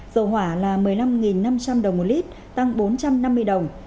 dầu hỏa là một mươi năm năm trăm linh đồng một lít tăng bốn trăm năm mươi đồng